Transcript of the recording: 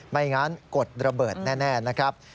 ไม่งั้นกดระเบิดแน่นะครับ